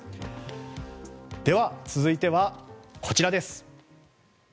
では、続いてはこちらです。